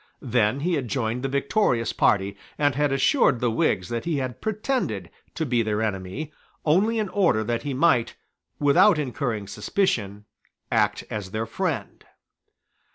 Then he had joined the victorious party, and had assured the Whigs that he had pretended to be their enemy, only in order that he might, without incurring suspicion, act as their friend.